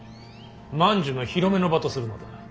万寿の披露目の場とするのだ。